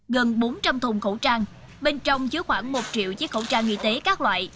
gần bốn trăm linh thùng khẩu trang bên trong chứa khoảng một triệu chiếc khẩu trang y tế các loại